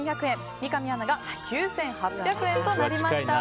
三上アナが９８００円となりました。